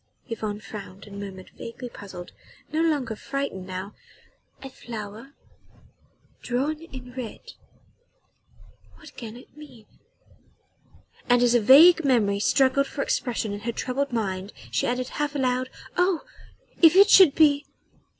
Yvonne frowned and murmured, vaguely puzzled no longer frightened now: "A flower ... drawn in red ... what can it mean?" And as a vague memory struggled for expression in her troubled mind she added half aloud: "Oh! if it should be